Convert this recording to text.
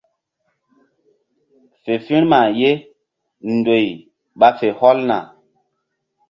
Fe firma ye ndoy ɓa fe hɔlna.